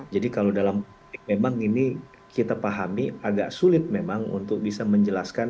jadi kalau dalam memang ini kita pahami agak sulit memang untuk bisa menjelaskan